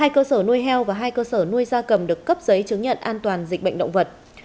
hai cơ sở nuôi heo và hai cơ sở nuôi gia cầm được cấp giấy chứng nhận an toàn dịch bệnh động vật